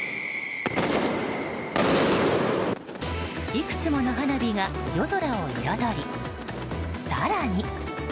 いくつもの花火が夜空を彩り更に。